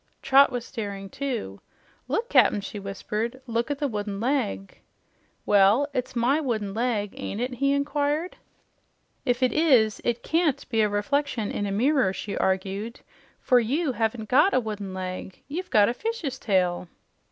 Trot was staring, too. "Look, Cap'n!" she whispered. "Look at the wooden leg." "Well, it's MY wooden leg, ain't it?" he inquired. "If it is, it can't be a reflection in a mirror," she argued, "for YOU haven't got a wooden leg. You've got a fish's tail."